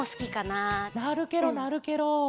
なるケロなるケロ！